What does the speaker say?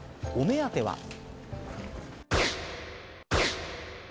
お目当ては。